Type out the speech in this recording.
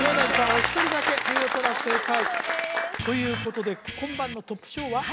お一人だけ見事な正解ということで今晩のトップ賞は？